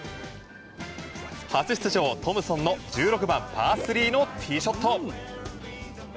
初出場トムソンの１６番、パー３のティーショット。